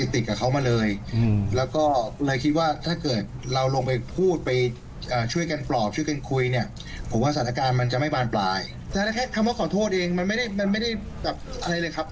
แต่แค่คำว่าขอโทษเองมันไม่ได้อะไรเลยครับ